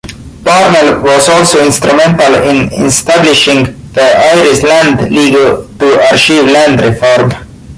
Parnell was also instrumental in establishing the Irish Land League, to achieve land reform.